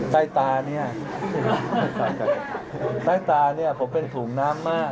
ใต้ตาเนี่ยใต้ตาเนี่ยผมเป็นถุงน้ำมาก